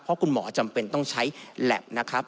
เพราะคุณหมอจำเป็นต้องใช้แล็บนะครับ